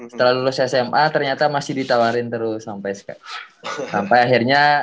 setelah lulus sma ternyata masih ditawarin terus sampai akhirnya